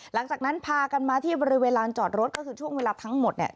หลังจากนั้นพากันมาที่บริเวณลานจอดรถก็คือช่วงเวลาทั้งหมดเนี่ย